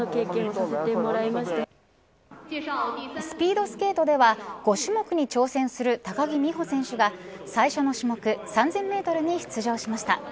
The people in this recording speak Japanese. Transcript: スピードスケートでは５種目に挑戦する高木美帆選手が最初の種目３０００メートルに出場しました。